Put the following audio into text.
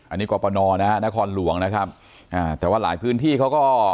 อันนี้กรปนนะฮะนครหลวงนะครับอ่าแต่ว่าหลายพื้นที่เขาก็